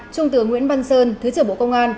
trung tướng nguyễn văn sơn thứ trưởng bộ công an